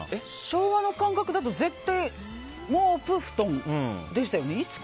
昭和の感覚だと絶対毛布、布団でしたよね。